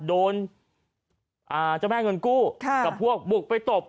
โดนเจ้าแม่เงินกู้กับพวกบุกไปตบ